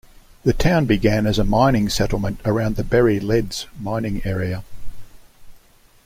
The town began as a mining settlement around the Berry Leads mining area.